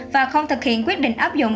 và không thực hiện quyết định áp dụng